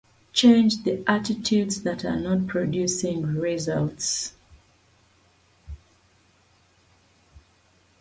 However, according to Knud Jeppesen: Bach's and Palestrina's points of departure are antipodal.